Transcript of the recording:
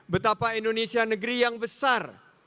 betapa indonesia negeri yang besar